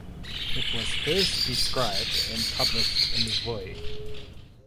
It was first described and published in Voy.